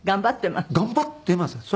頑張ってます。